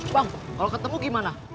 bang kalau ketemu gimana